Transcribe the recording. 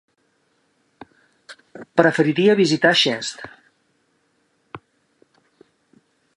Preferiria visitar Xest.